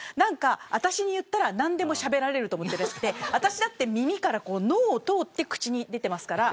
私に言ったら何でもしゃべられると思っていて私だって耳から脳を通って口に出ていますから。